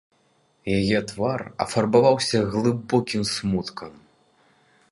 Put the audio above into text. Яе твар афарбаваўся глыбокім смуткам.